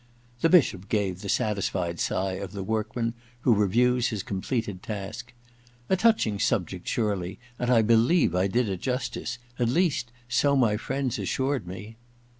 The Bishop gave the satisfied sigh of the workman who reviews his completed task. * A touching subject, surely ; and I believe I did it justice ; at least, so my friends assured me.'